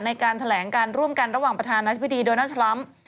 ในการแถลงการร่วมกันระหว่างประธานาธิบดีโดนัลดทรัมป์